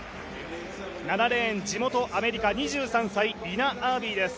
７レーン地元アメリカ２３歳、リナ・アービーです。